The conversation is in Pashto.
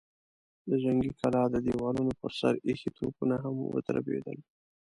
د جنګي کلا د دېوالونو پر سر ايښي توپونه هم ودربېدل.